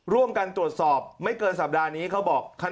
ร่วมกันตรวจสอบไม่เกินสัปดาห์นี้เขาบอก